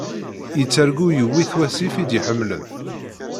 Yettargu yuwi-t wasif i d-iḥemlen.